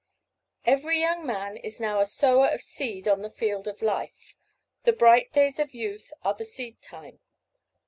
_Every young man is now a sower of seed on the field of life. The bright days of youth are the seed time.